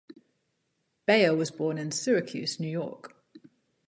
Bayer was born in Syracuse, New York.